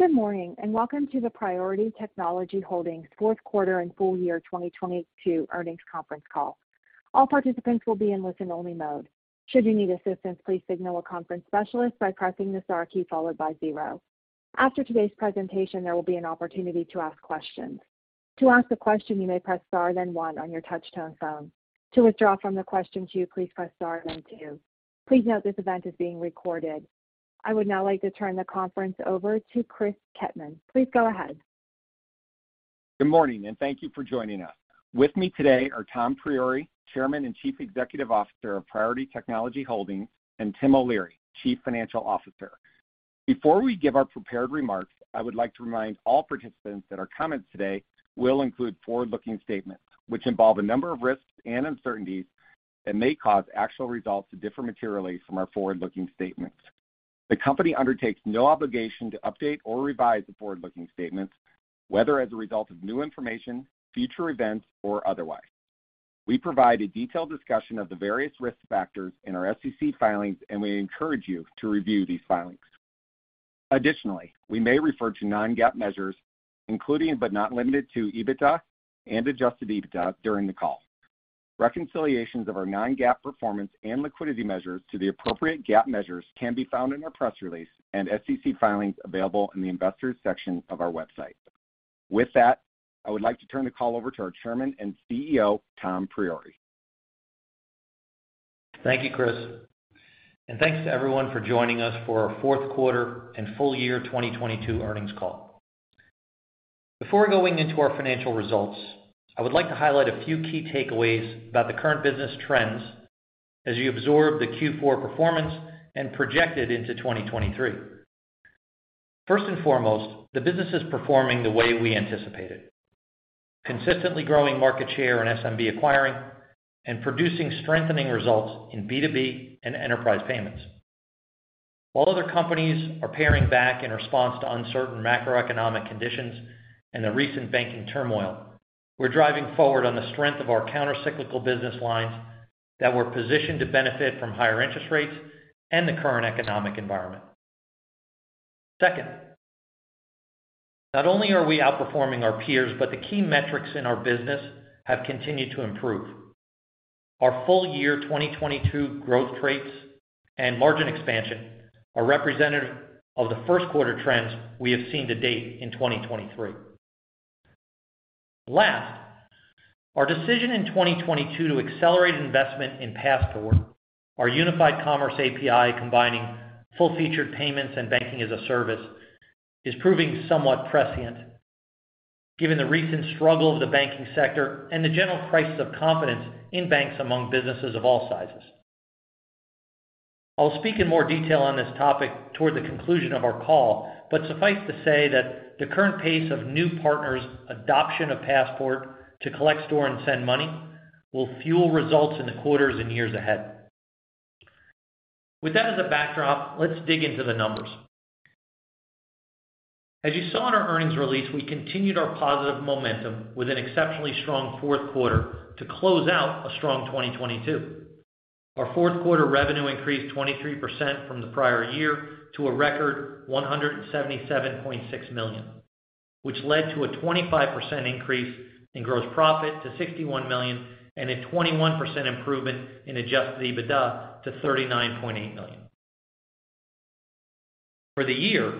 Good morning, welcome to the Priority Technology Holdings Fourth Quarter and Full-Year 2022 Earnings Conference Call. All participants will be in listen-only mode. Should you need assistance, please signal a conference specialist by pressing the star key followed by zero. After today's presentation, there will be an opportunity to ask questions. To ask a question, you may press star, then one on your touchtone phone. To withdraw from the question queue, please press star then two. Please note this event is being recorded. I would now like to turn the conference over to Chris Kettmann. Please go ahead. Good morning, and thank you for joining us. With me today are Tom Priore, Chairman and Chief Executive Officer of Priority Technology Holdings, and Tim O'Leary, Chief Financial Officer. Before we give our prepared remarks, I would like to remind all participants that our comments today will include forward-looking statements which involve a number of risks and uncertainties and may cause actual results to differ materially from our forward-looking statements. The company undertakes no obligation to update or revise the forward-looking statements, whether as a result of new information, future events, or otherwise. We provide a detailed discussion of the various risk factors in our SEC filings, and we encourage you to review these filings. Additionally, we may refer to non-GAAP measures, including but not limited to EBITDA and Adjusted EBITDA during the call. Reconciliations of our non-GAAP performance and liquidity measures to the appropriate GAAP measures can be found in our press release and SEC filings available in the Investors section of our website. With that, I would like to turn the call over to our Chairman and CEO, Tom Priore. Thank you, Chris, and thanks to everyone for joining us for our fourth quarter and full-year 2022 earnings call. Before going into our financial results, I would like to highlight a few key takeaways about the current business trends as you absorb the Q4 performance and project it into 2023. First and foremost, the business is performing the way we anticipated. Consistently growing market share in SMB acquiring and producing strengthening results in B2B and enterprise payments. While other companies are paring back in response to uncertain macroeconomic conditions and the recent banking turmoil, we're driving forward on the strength of our counter-cyclical business lines that we're positioned to benefit from higher interest rates and the current economic environment. Second, not only are we outperforming our peers, but the key metrics in our business have continued to improve. Our full-year 2022 growth rates and margin expansion are representative of the first quarter trends we have seen to date in 2023. Last, our decision in 2022 to accelerate investment in Passport, our Unified Commerce API, combining full-featured payments and Banking-as-a-Service, is proving somewhat prescient given the recent struggle of the banking sector and the general crisis of confidence in banks among businesses of all sizes. I'll speak in more detail on this topic toward the conclusion of our call, but suffice to say that the current pace of new partners adoption of Passport to collect, store, and send money will fuel results in the quarters and years ahead. With that as a backdrop, let's dig into the numbers. As you saw in our earnings release, we continued our positive momentum with an exceptionally strong fourth quarter to close out a strong 2022. Our fourth quarter revenue increased 23% from the prior year to a record $177.6 million, which led to a 25% increase in gross profit to $61 million and a 21% improvement in Adjusted EBITDA to $39.8 million. For the year,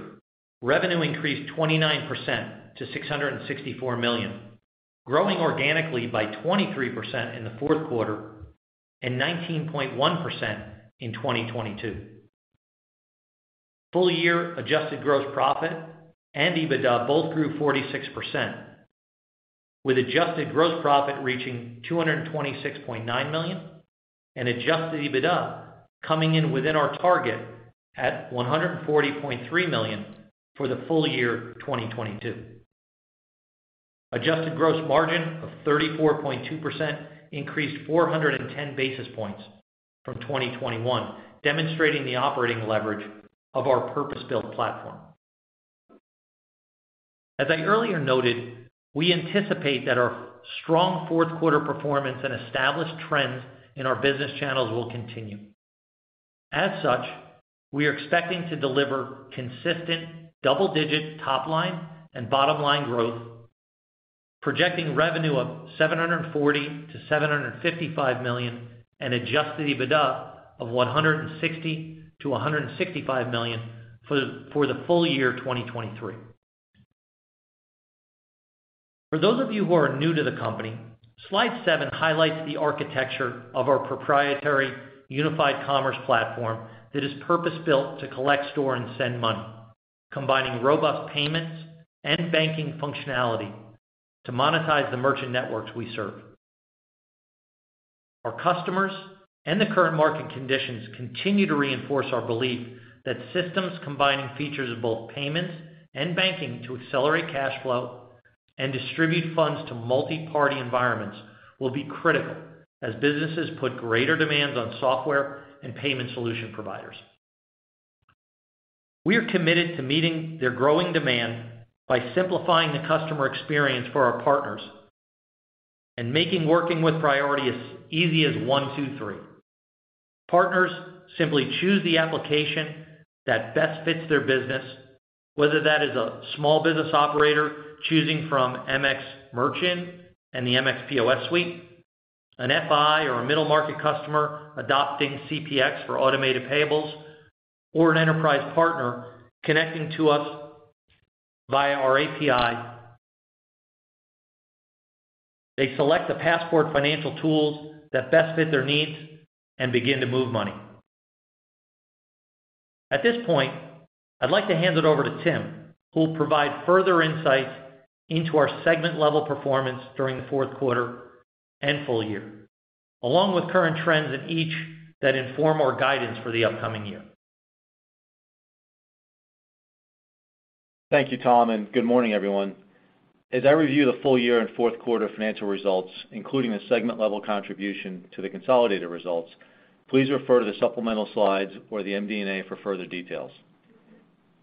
revenue increased 29% to $664 million, growing organically by 23% in the fourth quarter and 19.1% in 2022. Full-year adjusted gross profit and EBITDA both grew 46%, with adjusted gross profit reaching $226.9 million and Adjusted EBITDA coming in within our target at $140.3 million for the full-year 2022. Adjusted gross margin of 34.2% increased 410 basis points from 2021, demonstrating the operating leverage of our purpose-built platform. As I earlier noted, we anticipate that our strong fourth quarter performance and established trends in our business channels will continue. We are expecting to deliver consistent double-digit top line and bottom line growth, projecting revenue of $740 million-$755 million and Adjusted EBITDA of $160 million-$165 million for the full-year 2023. For those of you who are new to the company, Slide 7 highlights the architecture of our proprietary Unified Commerce Platform that is purpose-built to collect, store, and send money, combining robust payments and banking functionality to monetize the merchant networks we serve. Our customers and the current market conditions continue to reinforce our belief that systems combining features of both payments and banking to accelerate cash flow and distribute funds to multi-party environments will be critical as businesses put greater demands on software and payment solution providers. We are committed to meeting their growing demand by simplifying the customer experience for our partners and making working with Priority as easy as 1, 2, 3. Partners simply choose the application that best fits their business, whether that is a small business operator choosing from MX Merchant and the MX POS suite, an FI or a middle market customer adopting CPX for automated payables, or an enterprise partner connecting to us via our API. They select the Passport financial tools that best fit their needs and begin to move money. At this point, I'd like to hand it over to Tim, who will provide further insights into our segment level performance during the fourth quarter and full-year, along with current trends in each that inform our guidance for the upcoming year. Thank you, Tom, and good morning, everyone. As I review the full-year and fourth quarter financial results, including the segment level contribution to the consolidated results, please refer to the supplemental slides or the MD&A for further details.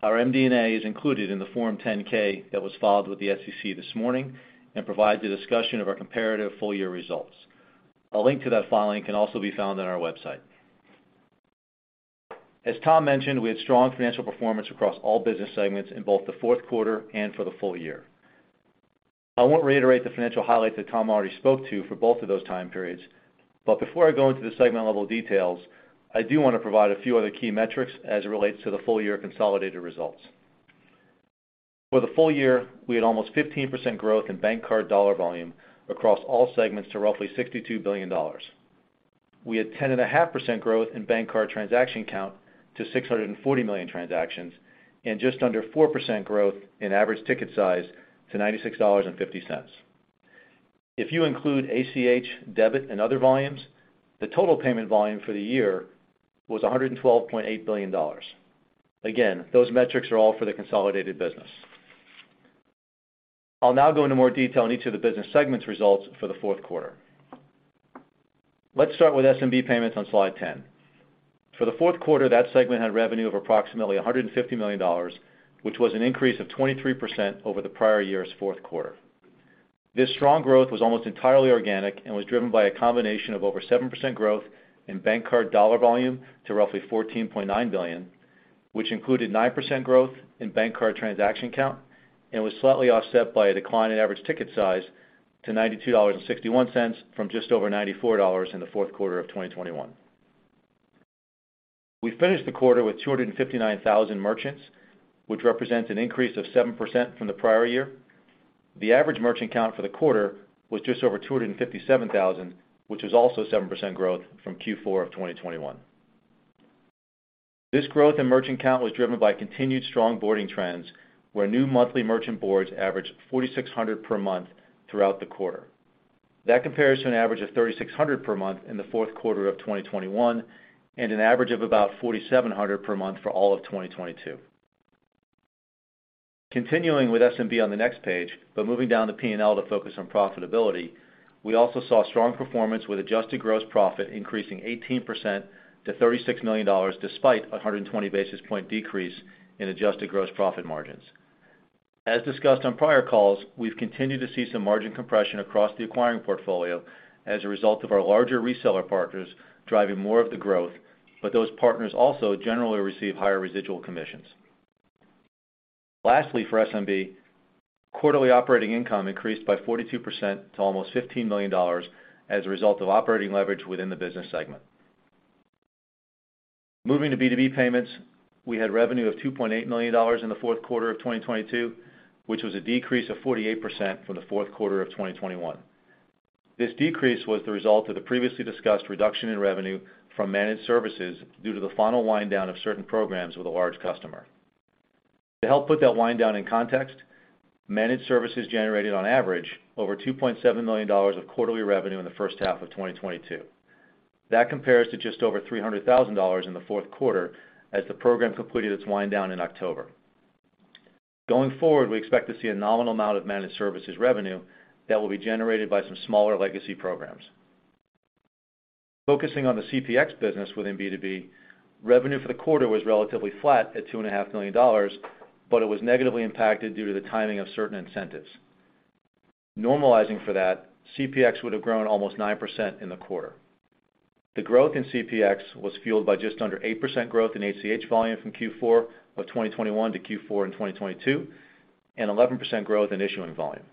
Our MD&A is included in the Form 10-K that was filed with the SEC this morning and provides a discussion of our comparative full-year results. A link to that filing can also be found on our website. As Tom mentioned, we had strong financial performance across all business segments in both the fourth quarter and for the full-year. I won't reiterate the financial highlights that Tom already spoke to for both of those time periods, but before I go into the segment level details, I do want to provide a few other key metrics as it relates to the full-year consolidated results. For the full-year, we had almost 15% growth in bank card dollar volume across all segments to roughly $62 billion. We had 10.5% growth in bank card transaction count to 640 million transactions and just under 4% growth in average ticket size to $96.50. If you include ACH, debit, and other volumes, the total payment volume for the year was $112.8 billion. Those metrics are all for the consolidated business. I'll now go into more detail on each of the business segments results for the fourth quarter. Let's start with SMB payments on Slide 10. For the fourth quarter, that segment had revenue of approximately $150 million, which was an increase of 23% over the prior year's fourth quarter. This strong growth was almost entirely organic and was driven by a combination of over 7% growth in bank card dollar volume to roughly $14.9 billion, which included 9% growth in bank card transaction count and was slightly offset by a decline in average ticket size to $92.61 from just over $94 in the fourth quarter of 2021. We finished the quarter with 259,000 merchants, which represents an increase of 7% from the prior year. The average merchant count for the quarter was just over 257,000, which is also 7% growth from Q4 of 2021. This growth in merchant count was driven by continued strong boarding trends, where new monthly merchant boards averaged 4,600 per month throughout the quarter. That compares to an average of 3,600 per month in the fourth quarter of 2021 and an average of about 4,700 per month for all of 2022. Continuing with SMB on the next page, but moving down to P&L to focus on profitability, we also saw strong performance with adjusted gross profit increasing 18% to $36 million despite a 120 basis point decrease in adjusted gross profit margins. As discussed on prior calls, we've continued to see some margin compression across the acquiring portfolio as a result of our larger reseller partners driving more of the growth, but those partners also generally receive higher residual commissions. Lastly, for SMB, quarterly operating income increased by 42% to almost $15 million as a result of operating leverage within the business segment. Moving to B2B payments, we had revenue of $2.8 million in the fourth quarter of 2022, which was a decrease of 48% from the fourth quarter of 2021. This decrease was the result of the previously discussed reduction in revenue from managed services due to the final wind down of certain programs with a large customer. To help put that wind down in context, managed services generated on average over $2.7 million of quarterly revenue in the first half of 2022. That compares to just over $300,000 in the fourth quarter as the program completed its wind down in October. Going forward, we expect to see a nominal amount of managed services revenue that will be generated by some smaller legacy programs. Focusing on the CPX business within B2B, revenue for the quarter was relatively flat at $2.5 million, it was negatively impacted due to the timing of certain incentives. Normalizing for that, CPX would have grown almost 9% in the quarter. The growth in CPX was fueled by just under 8% growth in ACH volume from Q4 of 2021 to Q4 in 2022, and 11% growth in issuing volume.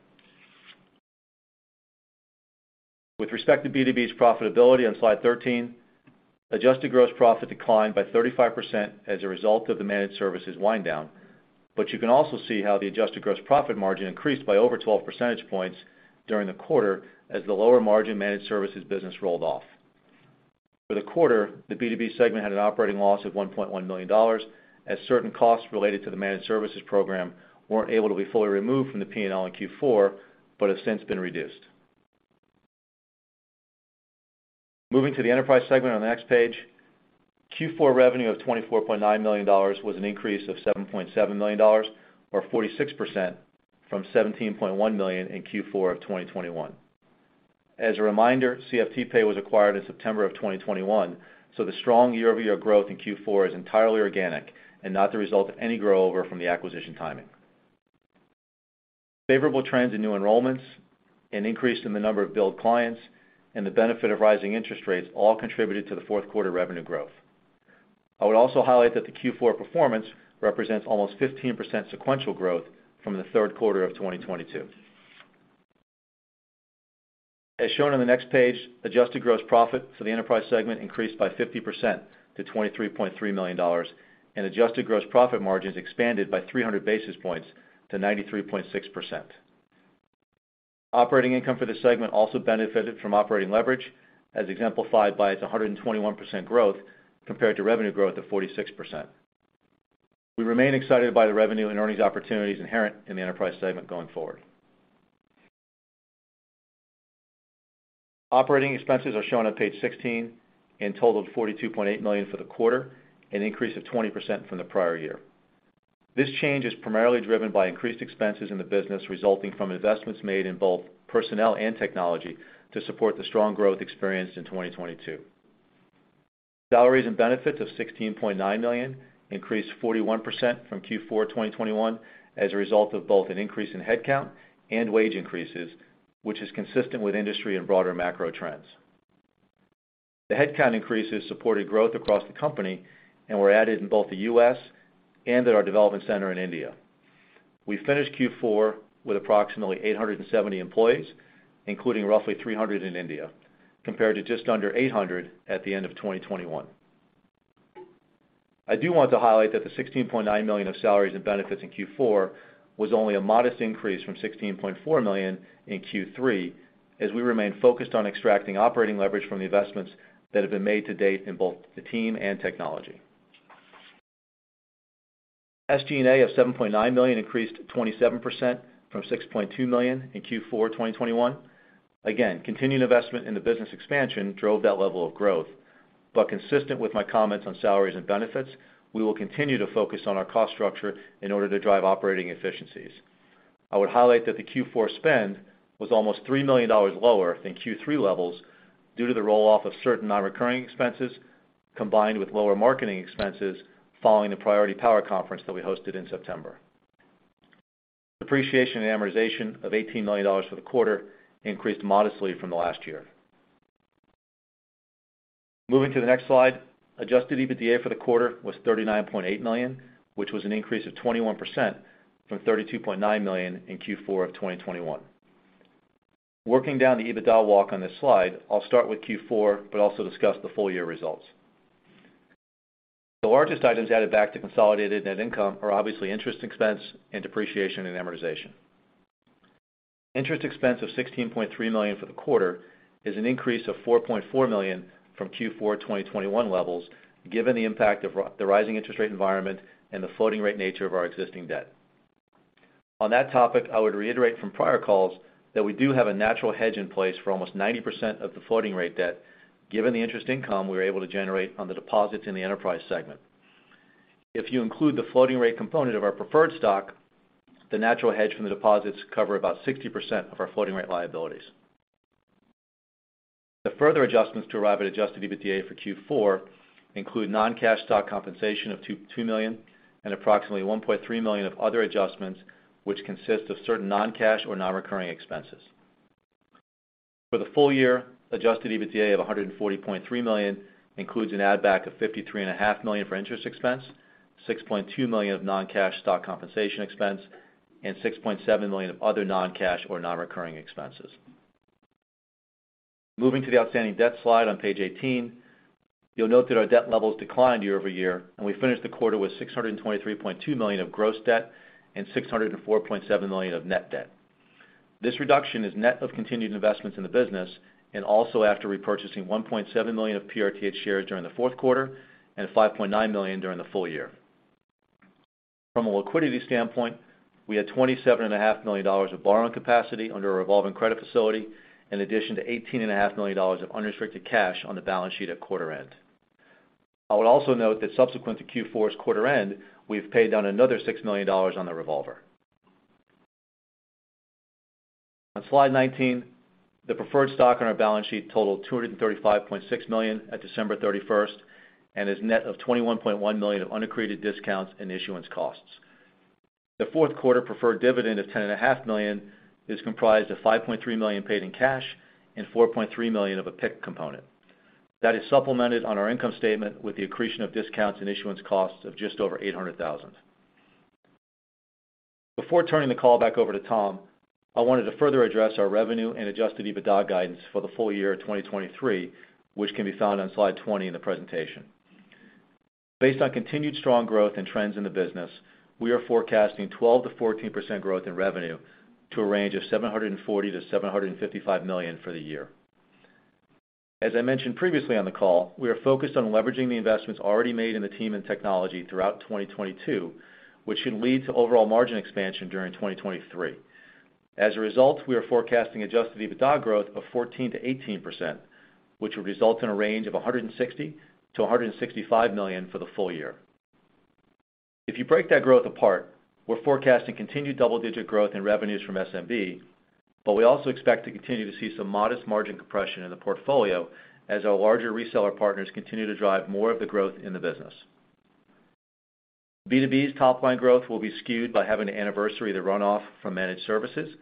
With respect to B2B's profitability on Slide 13, adjusted gross profit declined by 35% as a result of the managed services wind down. You can also see how the adjusted gross profit margin increased by over 12 percentage points during the quarter as the lower margin managed services business rolled off. For the quarter, the B2B segment had an operating loss of $1.1 million as certain costs related to the managed services program weren't able to be fully removed from the P&L in Q4, but has since been reduced. Moving to the enterprise segment on the next page, Q4 revenue of $24.9 million was an increase of $7.7 million or 46% from $17.1 million in Q4 of 2021. As a reminder, CFTPay was acquired in September of 2021, so the strong year-over-year growth in Q4 is entirely organic and not the result of any grow over from the acquisition timing. Favorable trends in new enrollments, an increase in the number of build clients, and the benefit of rising interest rates all contributed to the fourth quarter revenue growth. I would also highlight that the Q4 performance represents almost 15% sequential growth from the third quarter of 2022. As shown on the next page, adjusted gross profit for the enterprise segment increased by 50% to $23.3 million, and adjusted gross profit margins expanded by 300 basis points to 93.6%. Operating income for this segment also benefited from operating leverage, as exemplified by its 121% growth compared to revenue growth of 46%. We remain excited by the revenue and earnings opportunities inherent in the enterprise segment going forward. Operating expenses are shown on page 16 and totaled $42.8 million for the quarter, an increase of 20% from the prior year. This change is primarily driven by increased expenses in the business resulting from investments made in both personnel and technology to support the strong growth experienced in 2022. Salaries and benefits of $16.9 million increased 41% from Q4 2021 as a result of both an increase in headcount and wage increases, which is consistent with industry and broader macro trends. The headcount increases supported growth across the company and were added in both the U.S. and at our development center in India. We finished Q4 with approximately 870 employees, including roughly 300 in India, compared to just under 800 at the end of 2021. I do want to highlight that the $16.9 million of salaries and benefits in Q4 was only a modest increase from $16.4 million in Q3 as we remain focused on extracting operating leverage from the investments that have been made to date in both the team and technology. SG&A of $7.9 million increased 27% from $6.2 million in Q4 2021. Continued investment in the business expansion drove that level of growth. Consistent with my comments on salaries and benefits, we will continue to focus on our cost structure in order to drive operating efficiencies. I would highlight that the Q4 spend was almost $3 million lower than Q3 levels due to the roll-off of certain non-recurring expenses combined with lower marketing expenses following the Priority Power Conference that we hosted in September. Depreciation and amortization of $18 million for the quarter increased modestly from the last year. Moving to the next slide, Adjusted EBITDA for the quarter was $39.8 million, which was an increase of 21% from $32.9 million in Q4 of 2021. Working down the EBITDA walk on this slide, I'll start with Q4, but also discuss the full-year results. The largest items added back to consolidated net income are obviously interest expense and depreciation and amortization. Interest expense of $16.3 million for the quarter is an increase of $4.4 million from Q4 2021 levels, given the impact of the rising interest rate environment and the floating rate nature of our existing debt. On that topic, I would reiterate from prior calls that we do have a natural hedge in place for almost 90% of the floating rate debt, given the interest income we're able to generate on the deposits in the enterprise segment. If you include the floating rate component of our preferred stock, the natural hedge from the deposits cover about 60% of our floating rate liabilities. The further adjustments to arrive at Adjusted EBITDA for Q4 include non-cash stock compensation of $2.2 million and approximately $1.3 million of other adjustments, which consist of certain non-cash or non-recurring expenses. For the full-year, Adjusted EBITDA of $140.3 million includes an add back of $53.5 million for interest expense, $6.2 million of non-cash stock compensation expense, and $6.7 million of other non-cash or non-recurring expenses. Moving to the outstanding debt slide on page 18, you'll note that our debt levels declined year-over-year. We finished the quarter with $623.2 million of gross debt and $604.7 million of net debt. This reduction is net of continued investments in the business and also after repurchasing $1.7 million of PRTH shares during the fourth quarter and $5.9 million during the full-year. From a liquidity standpoint, we had $27.5 million of borrowing capacity under a revolving credit facility, in addition to $18.5 million of unrestricted cash on the balance sheet at quarter end. I would also note that subsequent to Q4's quarter end, we've paid down another $6 million on the revolver. On Slide 19, the preferred stock on our balance sheet totaled $235.6 million at December 31st and is net of $21.1 million of unaccreted discounts and issuance costs. The fourth quarter preferred dividend of $10.5 million is comprised of $5.3 million paid in cash and $4.3 million of a PIK component. That is supplemented on our income statement with the accretion of discounts and issuance costs of just over $800,000. Before turning the call back over to Tom, I wanted to further address our revenue and Adjusted EBITDA guidance for the full-year of 2023, which can be found on Slide 20 in the presentation. Based on continued strong growth and trends in the business, we are forecasting 12%-14% growth in revenue to a range of $740 million-$755 million for the year. As I mentioned previously on the call, we are focused on leveraging the investments already made in the team and technology throughout 2022, which should lead to overall margin expansion during 2023. As a result, we are forecasting Adjusted EBITDA growth of 14%-18%, which will result in a range of $160 million-$165 million for the full-year. If you break that growth apart, we're forecasting continued double-digit growth in revenues from SMB. We also expect to continue to see some modest margin compression in the portfolio as our larger reseller partners continue to drive more of the growth in the business. B2B's top-line growth will be skewed by having to anniversary the runoff from managed services,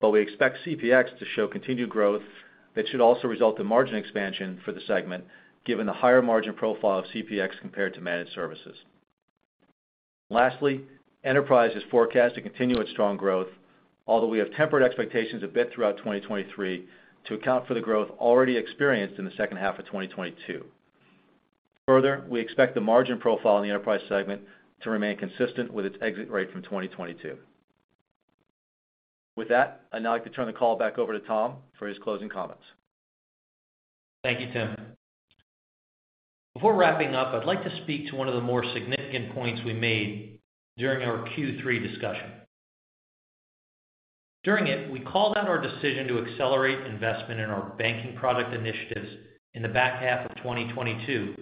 but we expect CPX to show continued growth that should also result in margin expansion for the segment given the higher margin profile of CPX compared to managed services. Lastly, Enterprise is forecast to continue its strong growth, although we have tempered expectations a bit throughout 2023 to account for the growth already experienced in the second half of 2022. Further, we expect the margin profile in the enterprise segment to remain consistent with its exit rate from 2022. With that, I'd now like to turn the call back over to Tom for his closing comments. Thank you, Tim. Before wrapping up, I'd like to speak to one of the more significant points we made during our Q3 discussion. During it, we called out our decision to accelerate investment in our banking product initiatives in the back half of 2022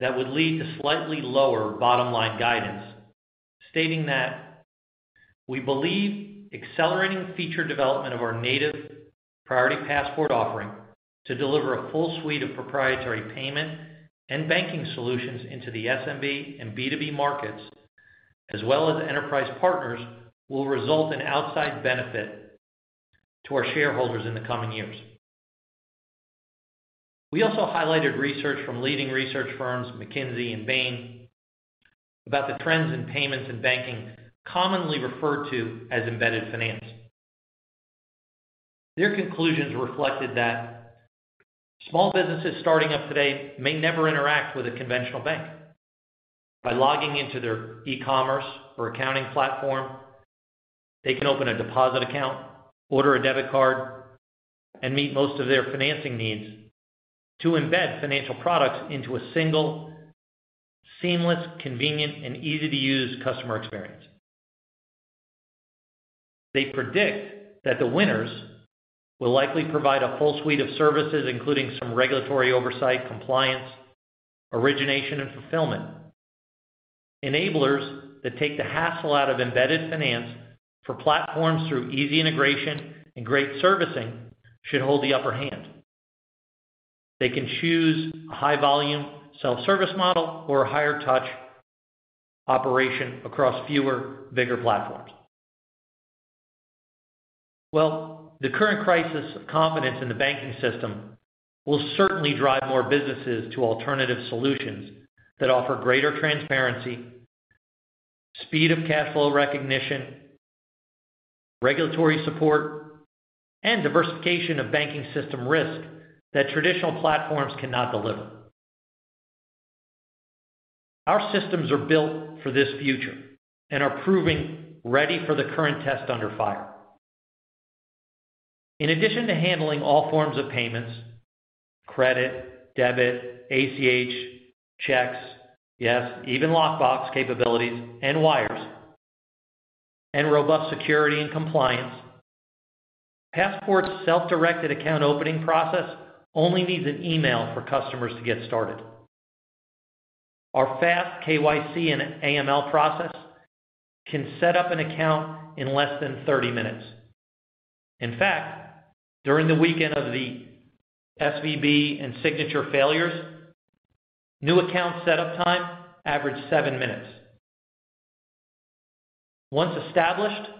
that would lead to slightly lower bottom-line guidance, stating that we believe accelerating feature development of our native Priority Passport offering to deliver a full suite of proprietary payment and banking solutions into the SMB and B2B markets, as well as enterprise partners, will result in outside benefit to our shareholders in the coming years. We also highlighted research from leading research firms McKinsey and Bain about the trends in payments and banking commonly referred to as embedded finance. Their conclusions reflected that small businesses starting up today may never interact with a conventional bank. By logging into their e-commerce or accounting platform, they can open a deposit account, order a debit card, and meet most of their financing needs to embed financial products into a single, seamless, convenient, and easy-to-use customer experience. They predict that the winners will likely provide a full suite of services, including some regulatory oversight, compliance, origination, and fulfillment. Enablers that take the hassle out of embedded finance for platforms through easy integration and great servicing should hold the upper hand. They can choose a high-volume self-service model or a higher touch operation across fewer, bigger platforms. The current crisis of confidence in the banking system will certainly drive more businesses to alternative solutions that offer greater transparency, speed of cash flow recognition, regulatory support, and diversification of banking system risk that traditional platforms cannot deliver. Our systems are built for this future and are proving ready for the current test under fire. In addition to handling all forms of payments, credit, debit, ACH, checks, yes, even lockbox capabilities and wires and robust security and compliance, Passport's self-directed account opening process only needs an email for customers to get started. Our fast KYC and AML process can set up an account in less than 30 minutes. In fact, during the weekend of the SVB and Signature failures, new account setup time averaged 7 minutes. Once established,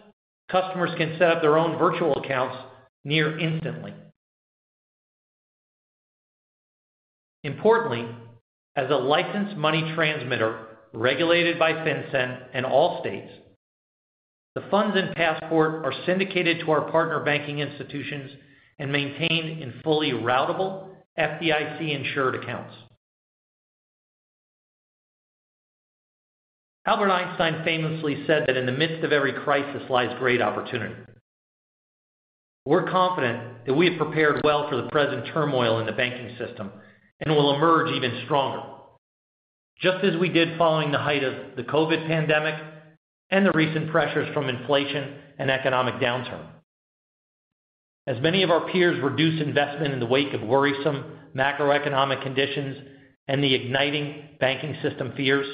customers can set up their own virtual accounts near instantly. Importantly, as a licensed money transmitter regulated by FinCEN in all states, the funds in Passport are syndicated to our partner banking institutions and maintained in fully routable FDIC-insured accounts. Albert Einstein famously said that in the midst of every crisis lies great opportunity. We're confident that we have prepared well for the present turmoil in the banking system and will emerge even stronger just as we did following the height of the COVID pandemic and the recent pressures from inflation and economic downturn. As many of our peers reduce investment in the wake of worrisome macroeconomic conditions and the igniting banking system fears,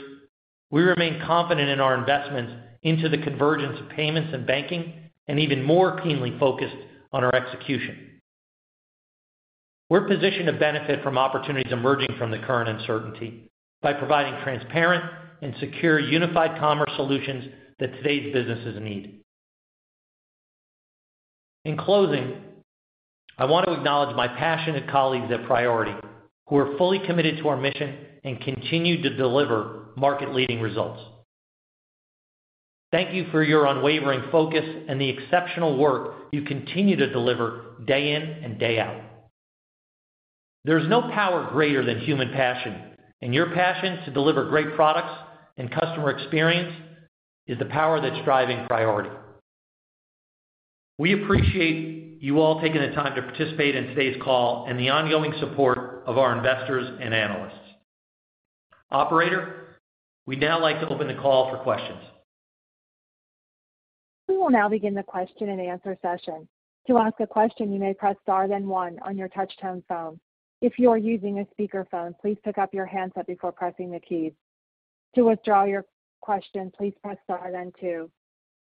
we remain confident in our investments into the convergence of payments and banking and even more keenly focused on our execution. We're positioned to benefit from opportunities emerging from the current uncertainty by providing transparent and secure unified commerce solutions that today's businesses need. In closing, I want to acknowledge my passionate colleagues at Priority who are fully committed to our mission and continue to deliver market-leading results. Thank you for your unwavering focus and the exceptional work you continue to deliver day in and day out. There's no power greater than human passion, your passion to deliver great products and customer experience is the power that's driving Priority. We appreciate you all taking the time to participate in today's call and the ongoing support of our investors and analysts. Operator, we'd now like to open the call for questions. We will now begin the question and answer session. To ask a question, you may press star, then one on your touchtone phone. If you are using a speakerphone, please pick up your handset before pressing the keys. To withdraw your question, please press star then two.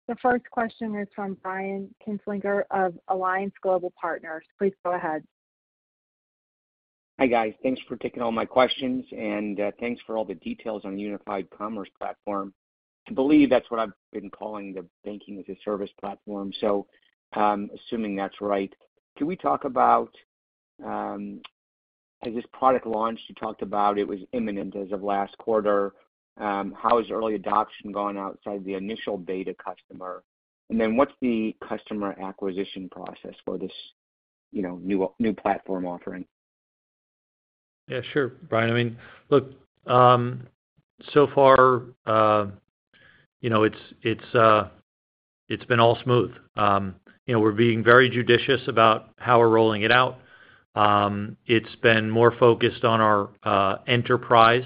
The first question is from Brian Kinstlinger of Alliance Global Partners. Please go ahead. Hi, guys. Thanks for taking all my questions, and thanks for all the details on Unified Commerce Platform. I believe that's what I've been calling the Banking-as-a-Service platform. Assuming that's right, can we talk about as this product launch you talked about it was imminent as of last quarter, how has early adoption gone outside the initial beta customer? What's the customer acquisition process for this, you know, new platform offering? Yeah, sure, Brian. I mean, look, so far, you know, it's been all smooth. You know, we're being very judicious about how we're rolling it out. It's been more focused on our enterprise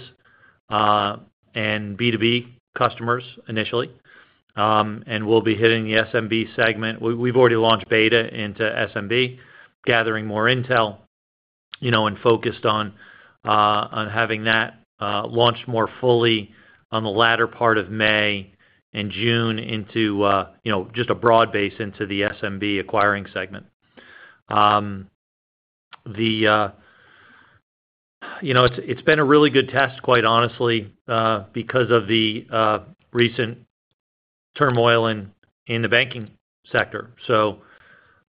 and B2B customers initially. We'll be hitting the SMB segment. We've already launched beta into SMB, gathering more intel, you know, and focused on having that launched more fully on the latter part of May and June into, you know, just a broad base into the SMB acquiring segment. The, you know, it's been a really good test, quite honestly, because of the recent turmoil in the banking sector. You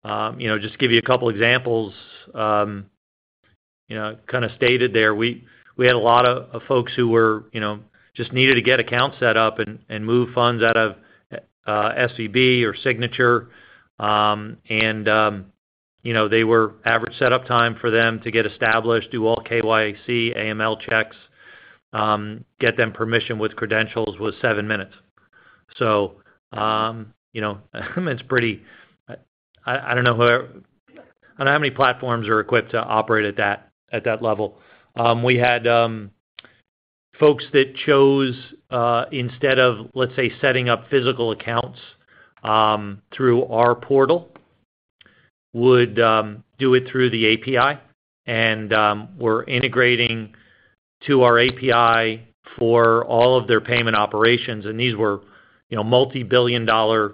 know, just give you a couple examples. You know, kind of stated there, we had a lot of folks who were, you know, just needed to get accounts set up and move funds out of SVB or Signature. You know, they were average setup time for them to get established, do all KYC, AML checks, get them permission with credentials was 7 minutes. You know, it's pretty. I don't know how many platforms are equipped to operate at that level. We had folks that chose, instead of, let's say, setting up physical accounts, through our portal, would do it through the API and were integrating to our API for all of their payment operations. These were, you know, multi-billion-dollar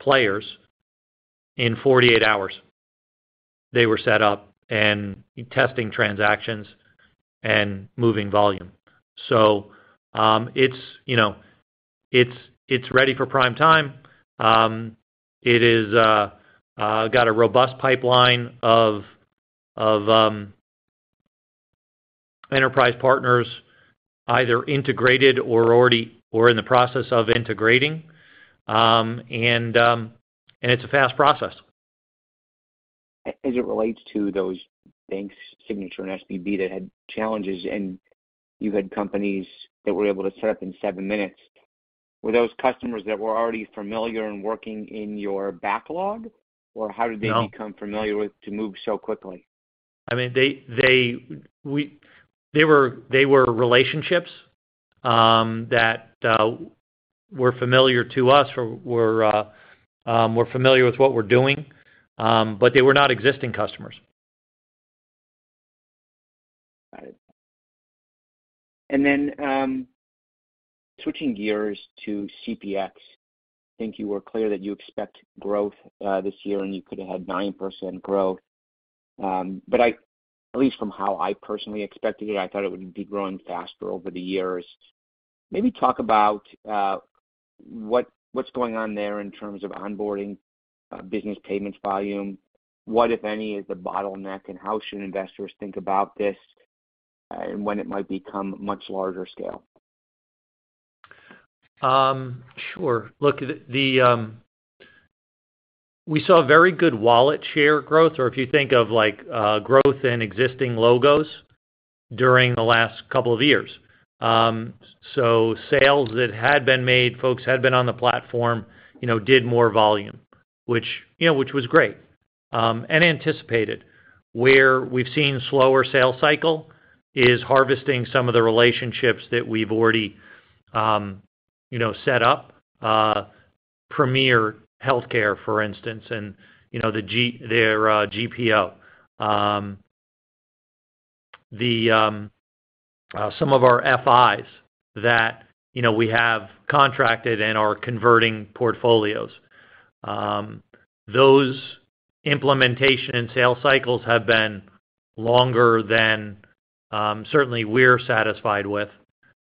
players. In 48 hours, they were set up and testing transactions and moving volume. It's, you know, it's ready for prime time. It is got a robust pipeline of enterprise partners either integrated or already or in the process of integrating. It's a fast process. As it relates to those banks, Signature and SVB, that had challenges and you had companies that were able to set up in 7 minutes, were those customers that were already familiar and working in your backlog? How did they? No. become familiar with to move so quickly? I mean, they were relationships that were familiar to us or were familiar with what we're doing. They were not existing customers. Got it. Switching gears to CPX, I think you were clear that you expect growth this year and you could have had 9% growth. At least from how I personally expected it, I thought it would be growing faster over the years. Maybe talk about what's going on there in terms of onboarding business payments volume. What, if any, is the bottleneck, and how should investors think about this and when it might become much larger scale? Sure. Look, the, We saw very good wallet share growth or if you think of like, growth in existing logos during the last couple of years. So sales that had been made, folks had been on the platform, you know, did more volume, which, you know, which was great, and anticipated. Where we've seen slower sales cycle is harvesting some of the relationships that we've already, you know, set up. Premier, healthcare, for instance and, you know, their GPO. The, some of our FIs that, you know, we have contracted and are converting portfolios. Those implementation and sales cycles have been longer than, certainly we're satisfied with.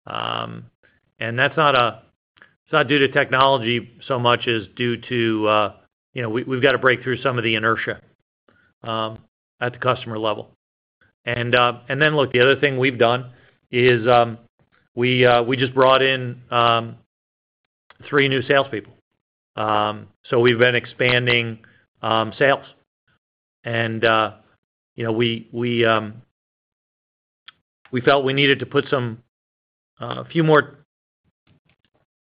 That's not, it's not due to technology so much as due to, you know, we've got to break through some of the inertia at the customer level. Look, the other thing we've done is, we just brought in three new salespeople. We've been expanding sales. You know, we felt we needed to put some a few more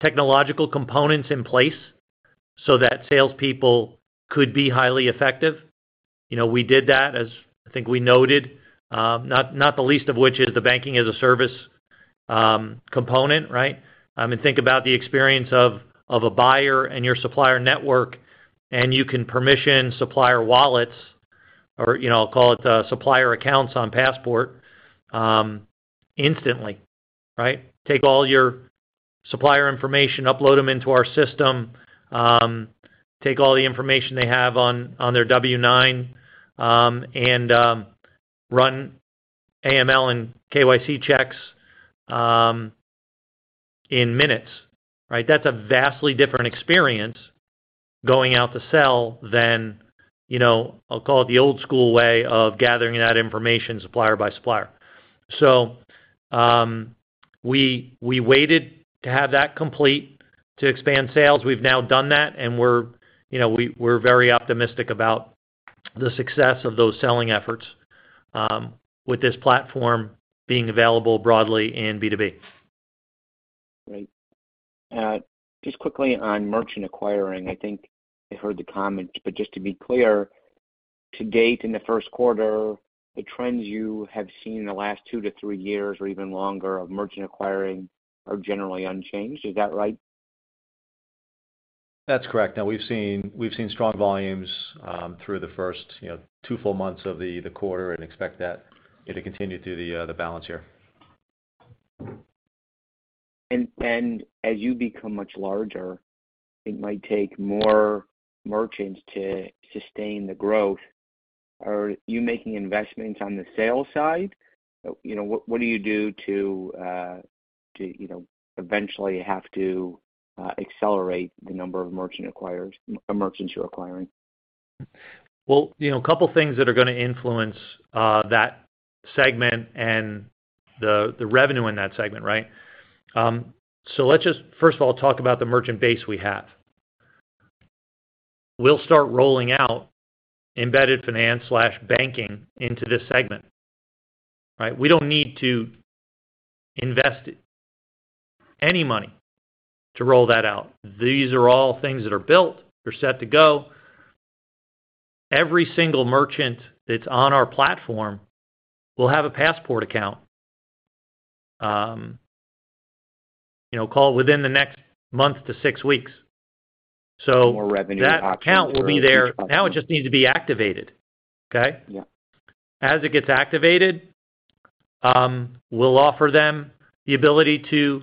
technological components in place so that salespeople could be highly effective. You know, we did that, as I think we noted. Not, not the least of which is the banking as a service component, right? Think about the experience of a buyer and your supplier network, you can permission supplier wallets or, you know, call it the supplier accounts on Passport, instantly, right? Take all your supplier information, upload them into our system, take all the information they have on their W-9, and run AML and KYC checks, in minutes, right? That's a vastly different experience going out to sell than, you know, I'll call it the old school way of gathering that information supplier by supplier. We, we waited to have that complete to expand sales. We've now done that, and we're, you know, we're very optimistic about the success of those selling efforts, with this platform being available broadly in B2B. Right. just quickly on merchant acquiring. I think I heard the comments, just to be clear, to date in the first quarter, the trends you have seen in the last two to three years or even longer of merchant acquiring are generally unchanged. Is that right? That's correct. Now we've seen strong volumes, through the first, you know, two full months of the quarter and expect that it'll continue through the balance here. As you become much larger, it might take more merchants to sustain the growth. Are you making investments on the sales side? You know, what do you do to, you know, eventually have to, accelerate the number of merchants you're acquiring? Well, you know, a couple of things that are gonna influence that segment and the revenue in that segment, right. Let's just first of all talk about the merchant base we have. We'll start rolling out embedded finance/banking into this segment, right. We don't need to invest any money to roll that out. These are all things that are built. They're set to go. Every single merchant that's on our platform will have a Passport account, you know, call it within the next month to 6 weeks. More revenue options or... That account will be there. Now it just needs to be activated, okay? Yeah. As it gets activated, we'll offer them the ability to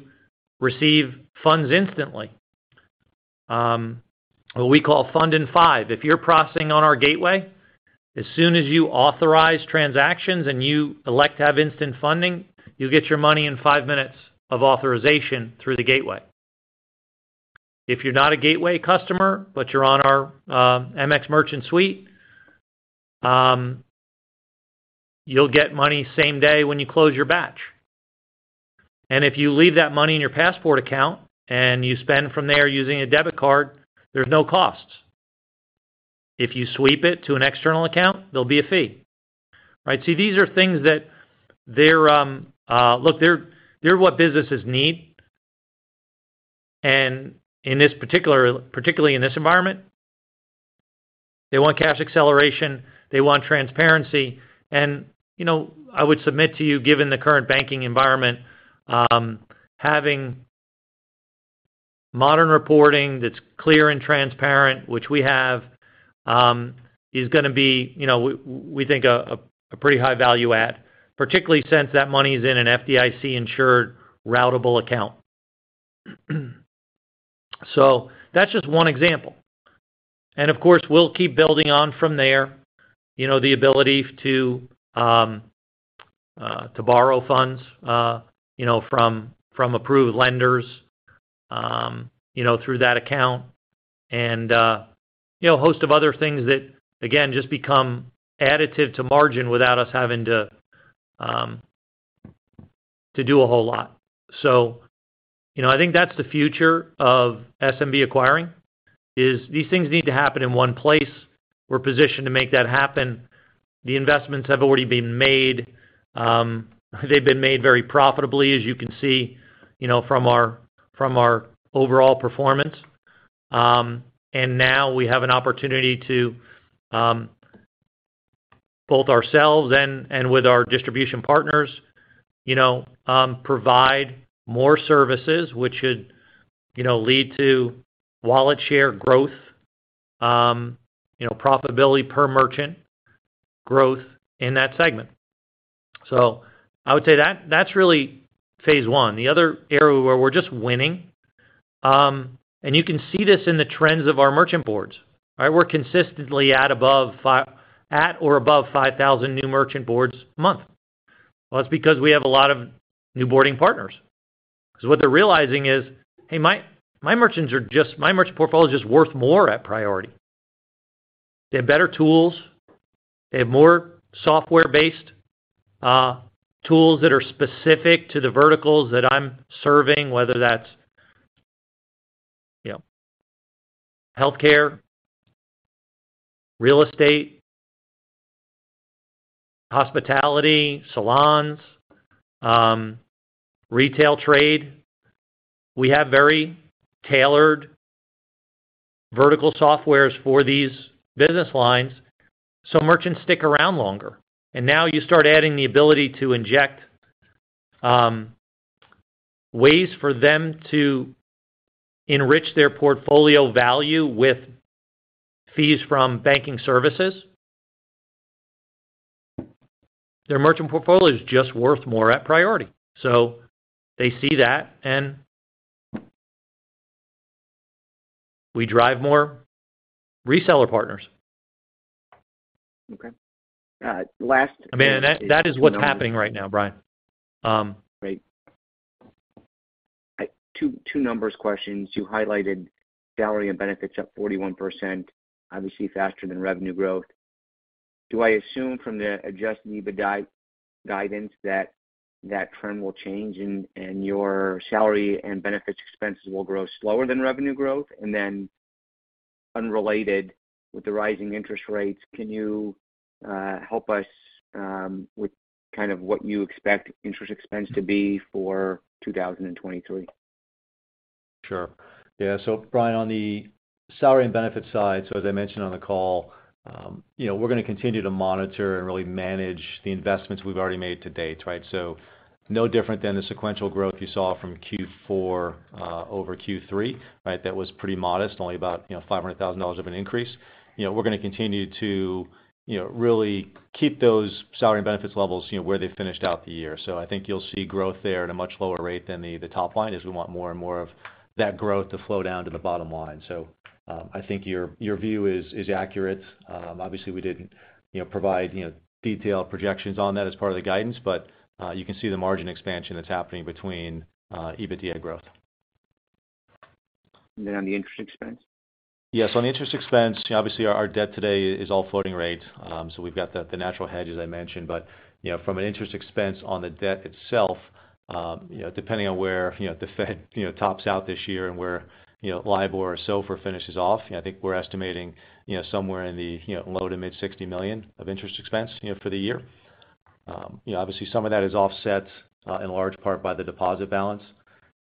receive funds instantly. What we call Fund in Five. If you're processing on our gateway, as soon as you authorize transactions and you elect to have instant funding, you'll get your money in five minutes of authorization through the gateway. If you're not a gateway customer, but you're on our MX Merchant suite, you'll get money same day when you close your batch. If you leave that money in your Passport account and you spend from there using a debit card, there's no costs. If you sweep it to an external account, there'll be a fee, right? See, these are things that they're, look, they're what businesses need. In this particularly in this environment, they want cash acceleration, they want transparency. You know, I would submit to you, given the current banking environment, having modern reporting that's clear and transparent, which we have, is gonna be, you know, we think a pretty high-value add, particularly since that money is in an FDIC-insured routable account. That's just one example. Of course, we'll keep building on from there. You know, the ability to borrow funds, you know, from approved lenders, you know, through that account and, you know, a host of other things that, again, just become additive to margin without us having to do a whole lot. You know, I think that's the future of SMB acquiring, is these things need to happen in one place. We're positioned to make that happen. The investments have already been made. They've been made very profitably, as you can see, you know, from our, from our overall performance. Now we have an opportunity to, both ourselves and with our distribution partners, you know, provide more services which should, you know, lead to wallet share growth, you know, profitability per merchant growth in that segment. I would say that's really phase I. The other area where we're just winning, and you can see this in the trends of our merchant boards, right? We're consistently at or above 5,000 new merchant boards a month. It's because we have a lot of new boarding partners. What they're realizing is, "Hey, my merchants are just my merchant portfolio is just worth more at Priority. They have better tools. They have more software-based tools that are specific to the verticals that I'm serving, whether that's, you know, healthcare, real estate, hospitality, salons, retail trade. We have very tailored vertical softwares for these business lines, merchants stick around longer. Now you start adding the ability to inject ways for them to enrich their portfolio value with fees from banking services. Their merchant portfolio is just worth more at Priority. They see that and we drive more reseller partners. Okay. I mean, that is what's happening right now, Brian. Great. Two numbers questions. You highlighted salary and benefits up 41%, obviously faster than revenue growth. Do I assume from the Adjusted EBITDA guidance that that trend will change and your salary and benefits expenses will grow slower than revenue growth? Then unrelated, with the rising interest rates, can you help us with kind of what you expect interest expense to be for 2023? Sure. Yeah. Brian, on the salary and benefit side, as I mentioned on the call, you know, we're gonna continue to monitor and really manage the investments we've already made to date, right? No different than the sequential growth you saw from Q4 over Q3, right? That was pretty modest, only about, you know, $500,000 of an increase. You know, we're gonna continue to, you know, really keep those salary and benefits levels, you know, where they finished out the year. I think you'll see growth there at a much lower rate than the EBITDA. Point is we want more and more of that growth to slow down to the bottom line. Your view is accurate. Obviously we didn't, you know, provide, you know, detailed projections on that as part of the guidance, but, you can see the margin expansion that's happening between EBITDA growth. On the interest expense? On the interest expense, you know, obviously our debt today is all floating rate. We've got the natural hedge, as I mentioned. But, you know, from an interest expense on the debt itself, you know, depending on where, you know, the Fed, you know, tops out this year and where, you know, LIBOR or SOFR finishes off, you know, I think we're estimating, you know, somewhere in the, you know, low to mid $60 million of interest expense, you know, for the year. You know, obviously some of that is offset in large part by the deposit balance,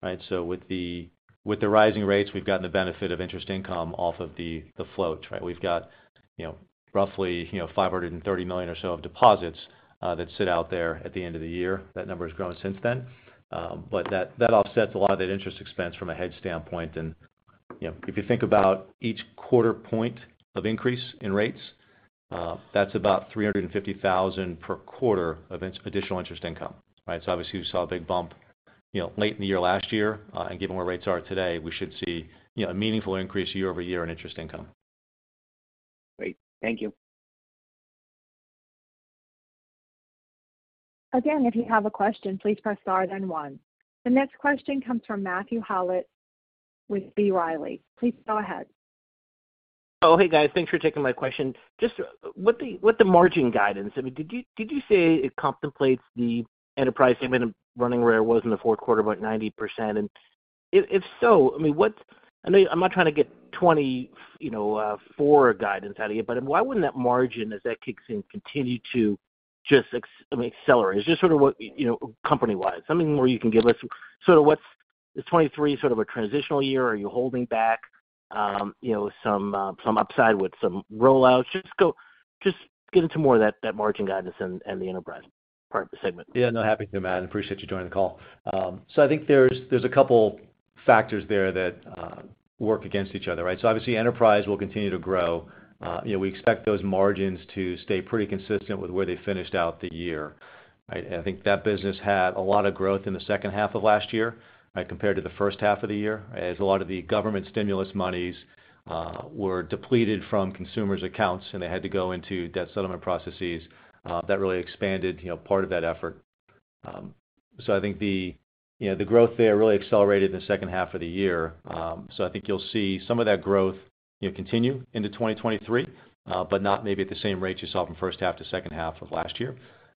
right? With the rising rates, we've gotten the benefit of interest income off of the float, right? We've got, you know, roughly, you know, $530 million or so of deposits, that sit out there at the end of the year. That number has grown since then. But that offsets a lot of that interest expense from a hedge standpoint. You know, if you think about each quarter point of increase in rates, that's about $350,000 per quarter of additional interest income, right? Obviously we saw a big bump, you know, late in the year last year. Given where rates are today, we should see, you know, a meaningful increase year-over-year in interest income. Great. Thank you. Again, if you have a question, please press star then one. The next question comes from Matthew Howlett with B. Riley. Please go ahead. Oh, hey guys. Thanks for taking my question. Just with the margin guidance, I mean, did you say it contemplates the enterprise segment running where it was in the fourth quarter, about 90%? If so, I mean, I know I'm not trying to get 2020, you know, forward guidance out of you, but why wouldn't that margin as that kicks in, continue to just I mean, accelerate? Is this sort of what, you know, company-wise, I mean, where you can give us sort of what's... Is 2023 sort of a transitional year? Are you holding back, you know, some upside with some rollouts? Just get into more of that margin guidance and the enterprise part of the segment. No, happy to Matt, appreciate you joining the call. I think there's a couple factors there that work against each other, right? Obviously enterprise will continue to grow. You know, we expect those margins to stay pretty consistent with where they finished out the year, right? I think that business had a lot of growth in the second half of last year, right, compared to the first half of the year as a lot of the government stimulus monies were depleted from consumers' accounts, and they had to go into debt settlement processes that really expanded, you know, part of that effort. I think the, you know, the growth there really accelerated in the second half of the year. I think you'll see some of that growth, you know, continue into 2023, but not maybe at the same rate you saw from first half to second half of last year.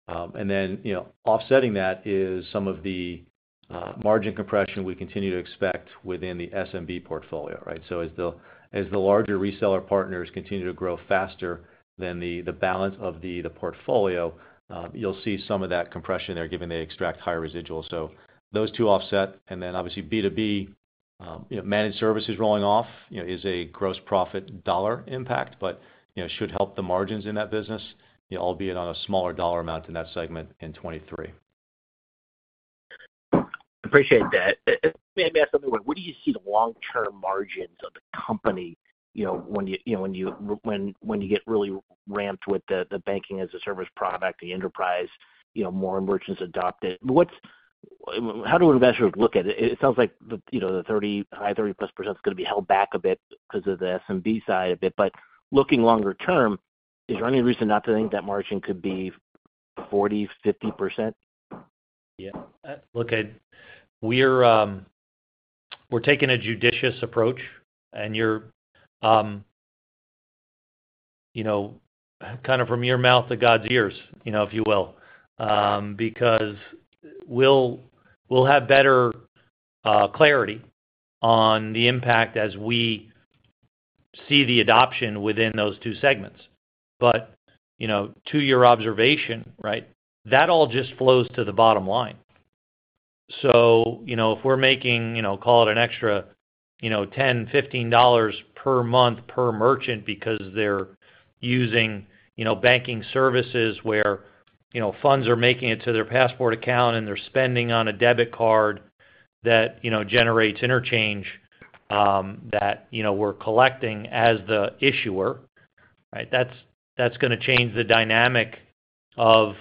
You know, offsetting that is some of the margin compression we continue to expect within the SMB portfolio, right? As the, as the larger reseller partners continue to grow faster than the balance of the portfolio, you'll see some of that compression there given they extract higher residuals. Those two offset. Obviously B2B, you know, managed services rolling off, you know, is a gross profit dollar impact, but, you know, should help the margins in that business, you know, albeit on a smaller dollar amount in that segment in 2023. Appreciate that. May I ask something? Where do you see the long-term margins of the company, you know, when you get really ramped with the Banking-as-a-Service product, the enterprise, you know, more merchants adopt it? How do investors look at it? It sounds like, you know, the 30%, high 30+% is gonna be held back a bit because of the SMB side a bit. Looking longer term, is there any reason not to think that margin could be 40%, 50%? Yeah. Look, we're taking a judicious approach and you're, you know, kind of from your mouth to God's ears, you know, if you will. Because we'll have better clarity on the impact as we see the adoption within those two segments. You know, to your observation, right? That all just flows to the bottom line. You know, if we're making, you know, call it an extra you know, $10, $15 per month per merchant because they're using, you know, banking services where, you know, funds are making it to their Passport account and they're spending on a debit card that, you know, generates interchange, that, you know, we're collecting as the issuer, right? That's, that's gonna change the dynamic of,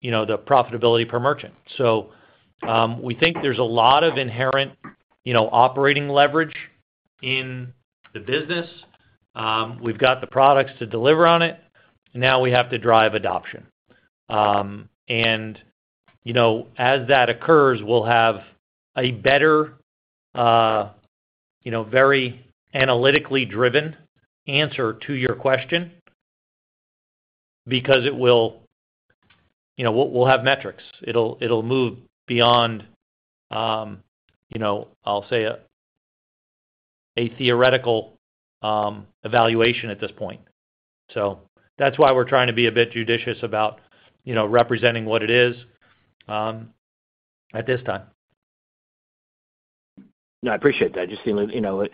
you know, the profitability per merchant. We think there's a lot of inherent, you know, operating leverage in the business. We've got the products to deliver on it, now we have to drive adoption. You know, as that occurs, we'll have a better, you know, very analytically driven answer to your question. You know, we'll have metrics. It'll move beyond, you know, I'll say a theoretical evaluation at this point. That's why we're trying to be a bit judicious about, you know, representing what it is at this time. No, I appreciate that. Just, you know,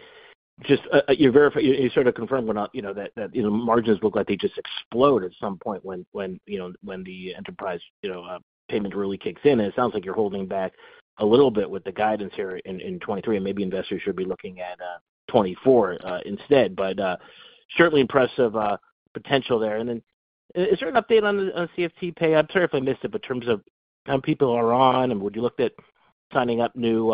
you sort of confirmed. You know, that, you know, margins look like they just explode at some point when, you know, when the enterprise, you know, payment really kicks in. It sounds like you're holding back a little bit with the guidance here in 2023, and maybe investors should be looking at 2024 instead. Certainly impressive potential there. Is there an update on the CFTPay? I'm sorry if I missed it, but in terms of how people are on, and would you look at signing up new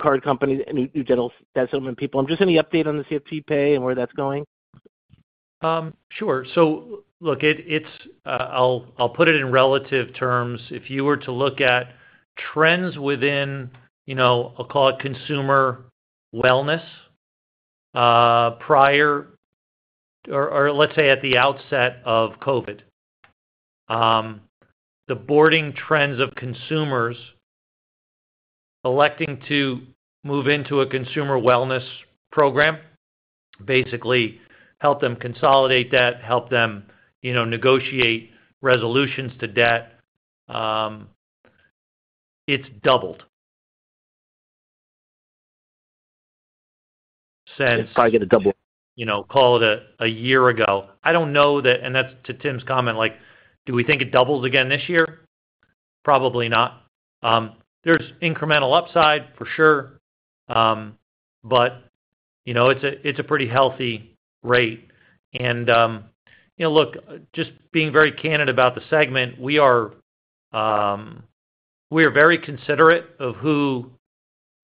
card companies, new debt settlement people? Just any update on the CFTPay and where that's going? Sure. Look, I'll put it in relative terms. If you were to look at trends within, you know, I'll call it consumer wellness, let's say at the outset of COVID, the boarding trends of consumers electing to move into a consumer wellness program basically help them consolidate debt, help them, you know, negotiate resolutions to debt. It's doubled since- Probably gonna double. You know, call it a year ago. I don't know that... That's to Tim's comment, like, do we think it doubles again this year? Probably not. There's incremental upside for sure. You know, it's a, it's a pretty healthy rate. You know, look, just being very candid about the segment, we are very considerate of who,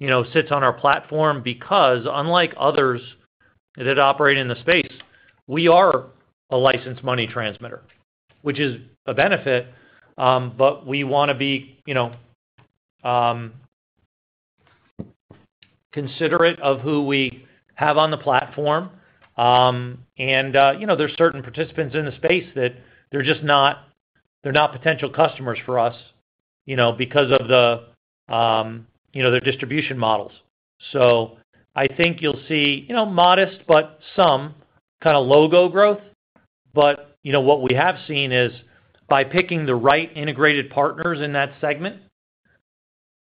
you know, sits on our platform because unlike others that operate in the space, we are a licensed money transmitter, which is a benefit, but we wanna be, you know, considerate of who we have on the platform. You know, there are certain participants in the space that they're just not potential customers for us, you know, because of the, you know, their distribution models. I think you'll see, you know, modest but some kind of logo growth. You know, what we have seen is by picking the right integrated partners in that segment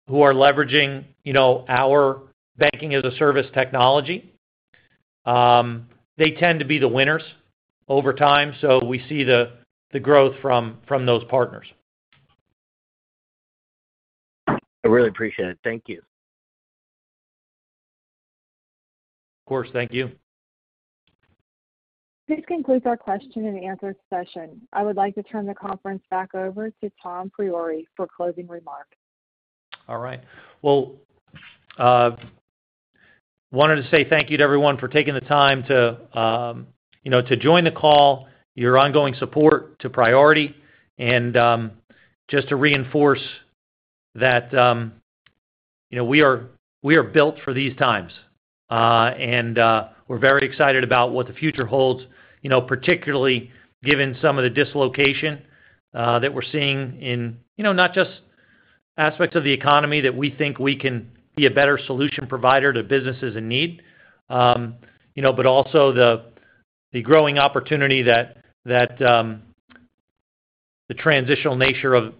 who are leveraging, you know, our Banking-as-a-Service technology, they tend to be the winners over time. We see the growth from those partners. I really appreciate it. Thank you. Of course. Thank you. This concludes our question and answer session. I would like to turn the conference back over to Tom Priore for closing remarks. All right. Well, wanted to say thank you to everyone for taking the time to, you know, to join the call, your ongoing support to Priority. Just to reinforce that, you know, we are, we are built for these times, and we're very excited about what the future holds, you know, particularly given some of the dislocation that we're seeing in, you know, not just aspects of the economy that we think we can be a better solution provider to businesses in need, you know, but also the growing opportunity that, the transitional nature of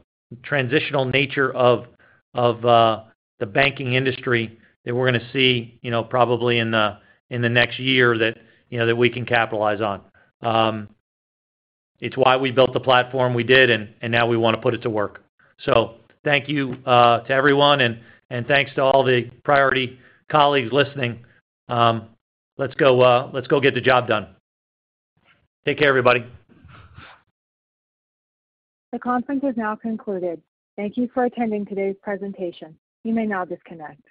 the banking industry that we're gonna see, you know, probably in the, in the next year that, you know, that we can capitalize on. It's why we built the platform we did, and now we want to put it to work. Thank you to everyone and thanks to all the Priority colleagues listening. Let's go, let's go get the job done. Take care, everybody. The conference has now concluded. Thank you for attending today's presentation. You may now disconnect.